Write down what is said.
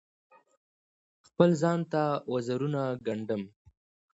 چې خپل ځان ته وزرونه ګنډم